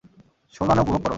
ষোলো আনা উপভোগ করো।